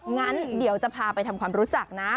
งั้นเดี๋ยวจะพาไปทำความรู้จักนะ